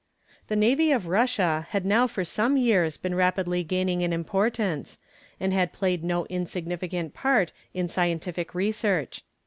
The navy of Russia had now for some years been rapidly gaining in importance, and had played no insignificant part in scientific research.